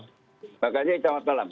terima kasih selamat malam